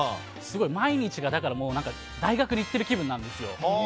毎日が大学に行っている気分なんですよ。